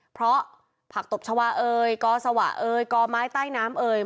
เพราะผักตบชาวาเอ่ยกอสวะเอ่ยกอไม้ใต้น้ำเอ่ย